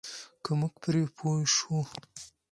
که موږ پرې پوه شو.